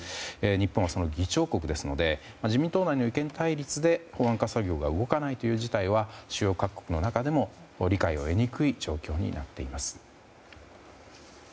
日本はその議長国ですので自民党内の意見対立で法案化整備が動かない事態は主要各国の中でも理解を得にくい状況になっています。